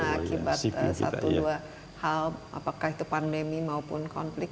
akibat satu dua hal apakah itu pandemi maupun konflik